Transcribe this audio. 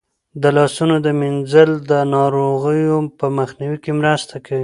د لاسونو پریمنځل د ناروغیو په مخنیوي کې مرسته کوي.